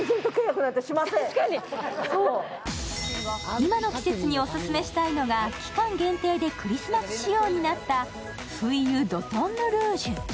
今の季節にオススメしたいのが期間限定でクリスマス仕様になったフイユ・ドトンヌ・ルージュ。